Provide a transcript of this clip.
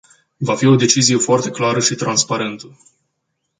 Va fi o decizie foarte clară și transparentă.